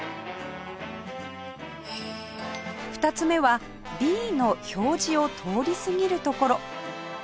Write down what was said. ２つ目は Ｂ の表示を通り過ぎるところ